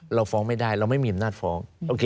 เราฟ้องไม่ได้เราไม่มีอำนาจฟ้อง